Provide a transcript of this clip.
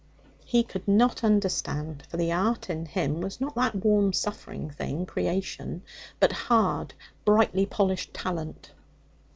He could not understand; for the art in him was not that warm, suffering thing, creation, but hard, brightly polished talent.